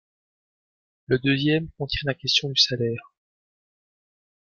Le deuxième contient la question du salaire.